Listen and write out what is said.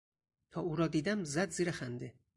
تا او را دیدم زد زیر خنده.